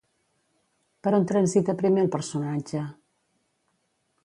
Per on transita primer el personatge?